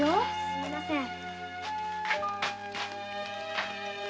すみません。